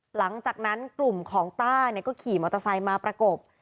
หลังจากนั้นกลุ่มของต้าก็ขี่มอเตอร์ไซค์มาประกบ